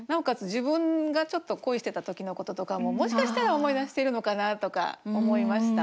自分がちょっと恋してた時のこととかももしかしたら思い出してるのかなとか思いました。